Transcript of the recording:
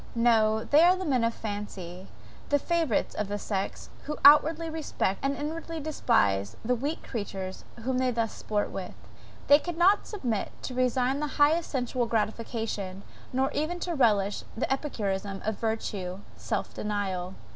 No, they are the men of fancy, the favourites of the sex, who outwardly respect, and inwardly despise the weak creatures whom they thus sport with. They cannot submit to resign the highest sensual gratification, nor even to relish the epicurism of virtue self denial.